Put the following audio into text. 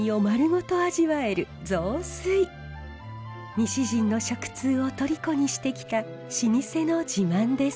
西陣の食通をとりこにしてきた老舗の自慢です。